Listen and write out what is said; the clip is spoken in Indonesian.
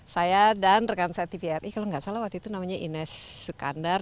saya dan rekan saya tvri kalau nggak salah waktu itu namanya ines sukandar